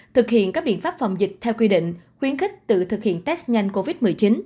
thực hiện các biện pháp phòng dịch theo quy định khuyến khích tự thực hiện test nhanh covid một mươi chín